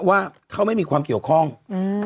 ว่าเขาไม่มีความเกี่ยวข้องอืม